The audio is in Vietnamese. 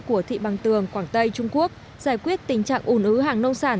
của thị bằng tường quảng tây trung quốc giải quyết tình trạng ủn ứ hàng nông sản